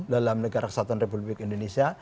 dalam negara kesatuan republik indonesia